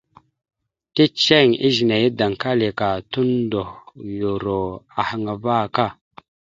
Ticeŋ izəne ya daŋkali ka tondoyoro ahaŋ ava aka.